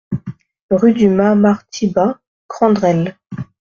Rue du Mas Marty Bas, Crandelles